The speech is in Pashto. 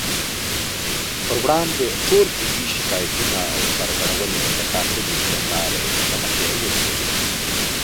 پر وړاندې ټول طبي شکايتونه او سرغړونې د ټاکلې کړنلارې له مخې وڅېړي